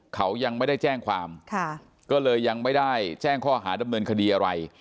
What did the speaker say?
เขายังไม่ได้แจ้งความก็เลยยังไม่ได้แจ้งข้อหาดำเนินคดีอะไร